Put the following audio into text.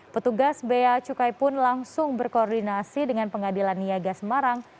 petugas bea cukai pun langsung berkoordinasi dengan pengadilan niaga semarang